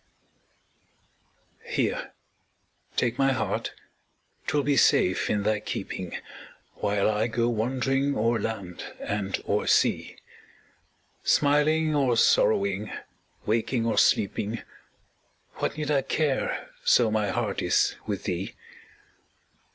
Here, take my heart 'twill be safe in thy keeping, While I go wandering o'er land and o'er sea; Smiling or sorrowing, waking or sleeping, What need I care, so my heart is with thee?